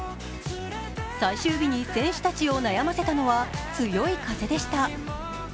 最終日に選手たちを悩ませたのは強い風でした。